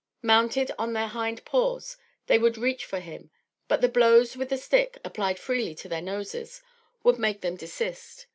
Mounted on their hind paws they would reach for him; but, the blows with the stick, applied freely to their noses, would make them desist.